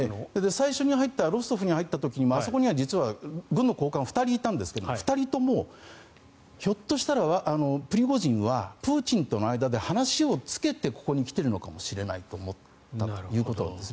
最初に入ったロストフに入った時にあそこには実は軍の高官が２人いたんですが２人ともひょっとしたらプリゴジンはプーチンとの間で話をつけてここに来ているのかもしれないと思ったということです。